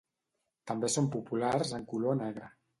També són populars en color negre.